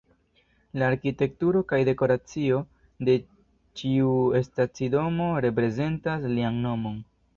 La arkitekturo kaj dekoracio de ĉiu stacidomo reprezentas lian nomon.